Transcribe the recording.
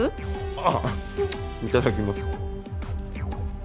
ああいただきます。